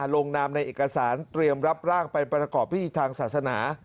ลงนามในเอกสารเตรียมรับร่างไปประกอบพิธีทางศาสนา